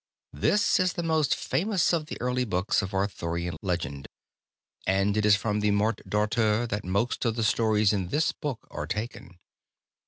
This is the most famous of the early books of Arthurian legend, and it is from the "Morte d'Arthur" that most of the stories in this book are taken.